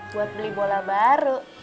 buat beli bola baru